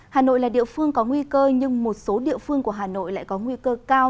hà nội là địa phương có nguy cơ nhưng một số địa phương của hà nội lại có nguy cơ cao